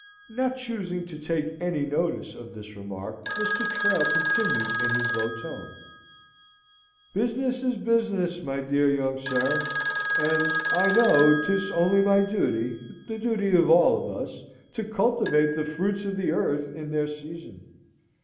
Not choosing to take any notice of this remark, Mr. Trail continued in his low tone: "Business is business, my dear young sir, and I know, 'tis only my duty, the duty of all of us, to cultivate the fruits of the earth in their season.